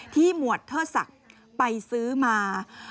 หมวดเทิดศักดิ์ไปซื้อมา